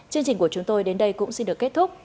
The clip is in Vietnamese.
chương trình của chúng tôi đến đây cũng xin được kết thúc